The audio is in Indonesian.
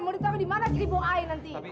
mau ditemukan dimana keribu i nanti